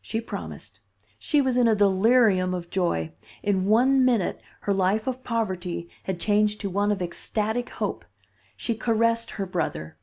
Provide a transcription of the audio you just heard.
"She promised. She was in a delirium of joy. In one minute her life of poverty had changed to one of ecstatic hope. She caressed her brother.